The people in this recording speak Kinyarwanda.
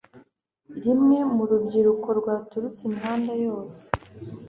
rumwe mu rubyiruko rwaturutse imihanda yose